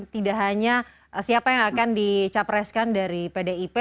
tidak hanya siapa yang akan dicapreskan dari pdip